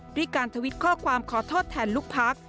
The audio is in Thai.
ด้วยการทวิตข้อความขอโทษแทนลูกพัก